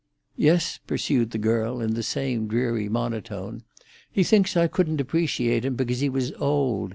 "Yes," pursued the girl, in the same dreary monotone, "he thinks I couldn't appreciate him because he was old.